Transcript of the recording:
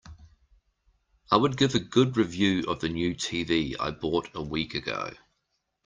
I would give a good review of the new TV I bought a week ago.